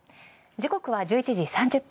時刻は１１時３０分。